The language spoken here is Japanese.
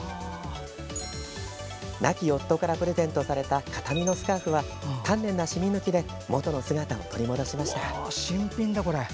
亡き夫からプレゼントされた形見のスカーフは丹念な染み抜きでもとの姿を取り戻しました。